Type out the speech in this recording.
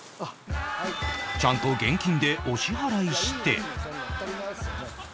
ちゃんと現金でお支払いして